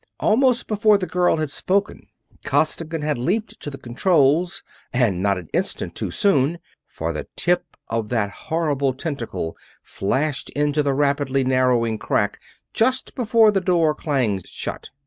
Almost before the girl had spoken Costigan had leaped to the controls, and not an instant too soon; for the tip of that horrible tentacle flashed into the rapidly narrowing crack just before the door clanged shut.